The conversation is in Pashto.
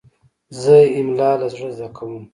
زه املا له زړه زده کوم.